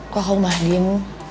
kok kamu mahdim